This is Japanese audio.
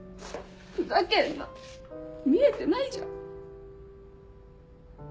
ふざけんな見えてないじゃん。